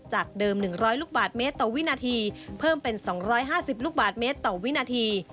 จากเดิม๑๐๐ลูกบาทเมตรต่อวินาทีเพิ่มเป็น๒๕๐ลูกบาทเมตรต่อวินาที